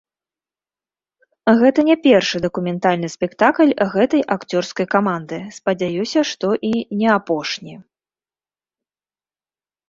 Гэта не першы дакументальны спектакль гэтай акцёрскай каманды, спадзяюся, што і не апошні.